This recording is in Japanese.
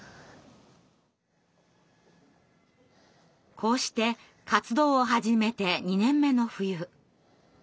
こうして活動を始めて２年目の冬。